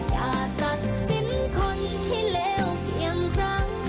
อย่าตัดสินคนที่แล้วเพียงครั้ง